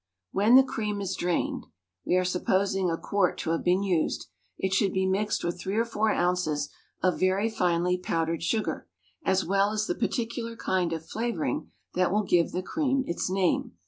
When the cream is drained (we are supposing a quart to have been used) it should be mixed with three or four ounces of very finely powdered sugar, as well as the particular kind of flavouring that will give the cream its name.